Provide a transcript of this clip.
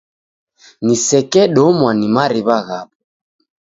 Nisekedomwa ni mariw'a ghapo